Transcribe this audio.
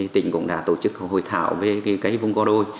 tỉnh cũng đã tổ chức hội thảo về cây vùng có đôi